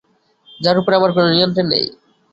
যার ওপর আমার কোনো নিয়ন্ত্রণ নেই।